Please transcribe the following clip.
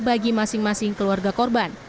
bagi masing masing keluarga korban